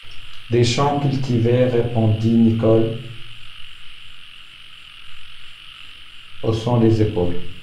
Des champs cultivés? répondit Nicholl, haussant les épaules.